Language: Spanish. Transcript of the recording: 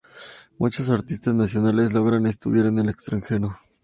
Muchas artistas nacionales logran estudiar en el extranjero.